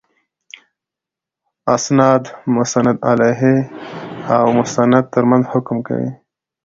اِسناد د مسندالیه او مسند تر منځ حکم کوي.